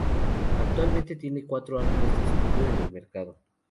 Actualmente tiene cuatro álbumes de estudio en el mercado.